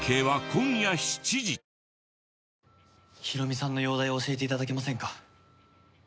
ヒロミさんの容体を教えていただけませんか？